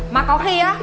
mà có khi á